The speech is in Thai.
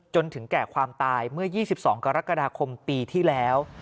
จนถึงแก่ความตายเมื่อ๒๒กรกฎาคมปีที่แล้ว